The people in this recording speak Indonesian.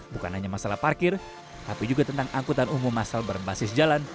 bukan hanya masalah parkir tapi juga tentang angkutan umum asal berbasis jalan